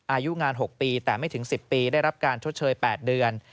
อายุงาน๖ปีแต่ไม่ถึง๑๐ปีได้รับการชดเชย๘เดือน